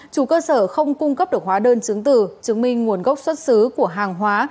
chủ cơ sở không cung cấp được hóa đơn chứng từ chứng minh nguồn gốc xuất xứ của hàng hóa